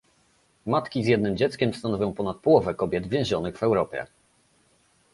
Matki z jednym dzieckiem stanowią ponad połowę kobiet więzionych w Europie